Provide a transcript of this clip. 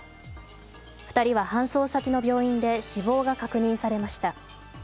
２人は搬送先の病院で死亡が確認されました。